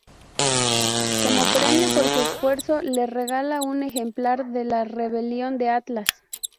Como premio por su esfuerzo, le regala un ejemplar de La rebelión de Atlas.